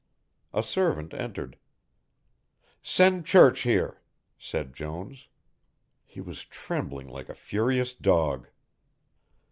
A servant entered. "Send Church here," said Jones. He was trembling like a furious dog.